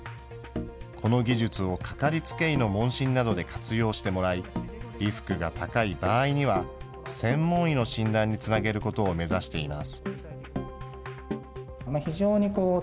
この技術をかかりつけ医の問診などで活用してもらい、リスクが高い場合には、専門医の診断につなげることを目指しています。